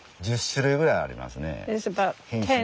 １０種類ぐらいありますね。